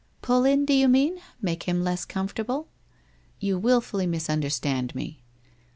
' full in, do you mean — make him less comfortable?' ' You wilfully misunderstand me.'